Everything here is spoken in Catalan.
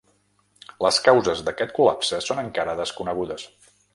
Les causes d’aquest col·lapse són encara desconegudes.